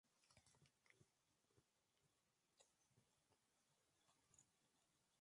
Es parte de los remansos de Kerala, una red de lagos, pantanos y canales.